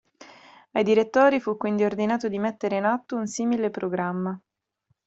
Ai direttori fu quindi ordinato di mettere in atto un simile programma.